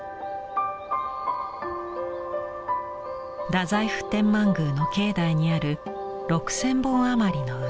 太宰府天満宮の境内にある６，０００本余りの梅。